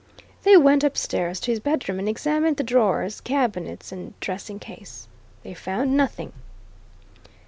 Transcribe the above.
They went upstairs to his bedroom and examined the drawers, cabinets and dressing case they found nothing.